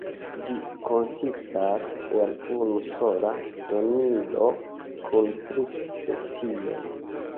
Ĝi konsistas el unu sola genro kun tri specioj.